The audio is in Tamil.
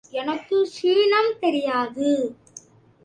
எனக்கு சீனம் தெரியாது.